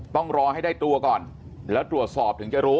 ต้องรอให้ได้ตัวก่อนแล้วตรวจสอบถึงจะรู้